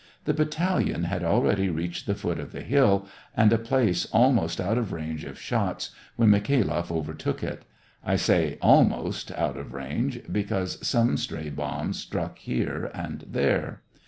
The battalion had already reached the foot of the hill, and a place almost out of range of shots, when Mikhailoff overtook it. I say, almost out of range, because some stray bombs struck here and there.